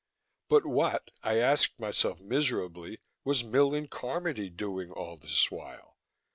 But what, I asked myself miserably, was Millen Carmody doing all this while?